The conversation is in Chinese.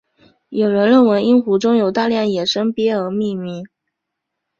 有人认为因湖中有大量野生鳖而命名。